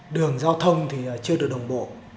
đường giao thông thì chưa được đồng bộ